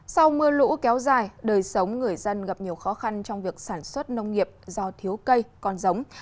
sau mưa lũ kéo dài đời sống người dân gặp nhiều khó khăn trong việc sản xuất nông nghiệp do thiếu cây con giống